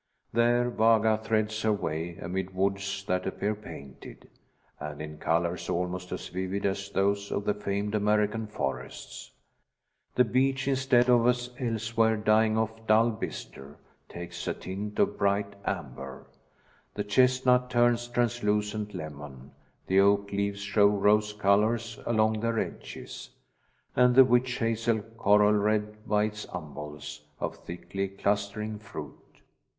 There Vaga threads her way amid woods that appear painted, and in colours almost as vivid as those of the famed American forests. The beech, instead of, as elsewhere, dying off dull bistre, takes a tint of bright amber; the chestnut turns translucent lemon; the oak leaves show rose colours along their edges, and the wych hazel coral red by its umbels of thickly clustering fruit.